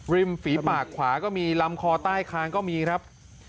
ฝีปากขวาก็มีลำคอใต้คางก็มีครับ